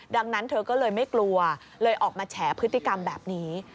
ดังนั้นเธอก็เลยไม่กลัวเลยออกมาแฉพฤติกรรมแบบนี้